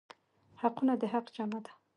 حقونه د حق جمع ده.